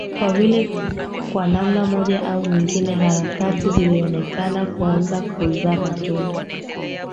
Kwa vile kwa namna moja au nyingine harakati zilionekana kuanza kuzaa matunda